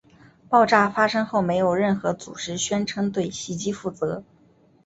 爆炸发生后没有任何组织宣称对袭击负责。